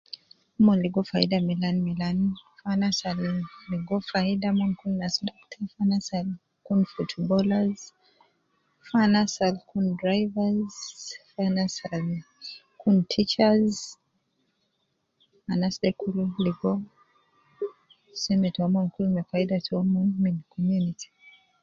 Umon logo fayida milan milan fi anas al logo faida umo kun footballers, fi anas al kun teachers, anas de kulu logo seme toomon ma faida toomon min community.